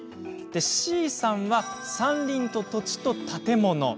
Ｃさんは山林と土地と建物。